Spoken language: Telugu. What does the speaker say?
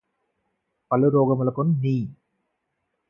పలురోగములకు నీ